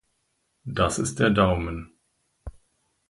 Das ist der Daumen.